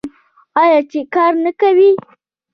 آیا چې کار نه کوي؟